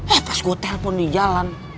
eh pas gue telpon di jalan